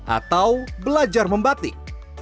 atau belajar membatik